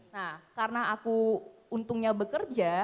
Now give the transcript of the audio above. nah karena aku untungnya bekerja